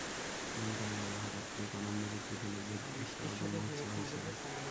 দিন কয়েক আগে হঠাৎ কৃপানন্দকে চিঠি লেখবার একটা অদম্য ইচ্ছা হয়েছিল।